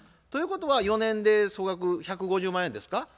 ということは４年で総額１５０万円ですか？